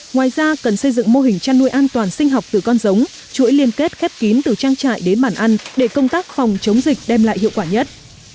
ngoài ra cần xây dựng mô hình chăn nuôi an toàn sinh học từ con giống chuỗi liên kết khép kín từ trang trại đến bản ăn để công tác phòng chống dịch đem lại hiệu quả nhất